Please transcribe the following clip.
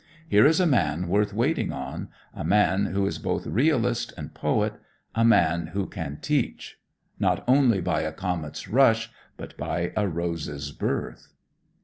Here is a man worth waiting on; a man who is both realist and poet, a man who can teach "Not only by a comet's rush, But by a rose's birth."